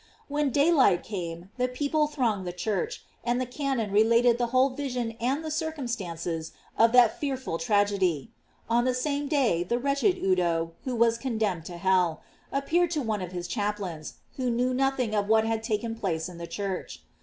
When daylight came, the people thronged the church, and the canon related the whole vision and the circumstances of that fearful tragedy. And on the same day the wretched Udo, who was condemned to hell, appeared to one of his chaplains, who knew nothing of what had taken place in the church.